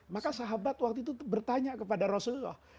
maka sahabat waktu itu bertanya kepada rasulullah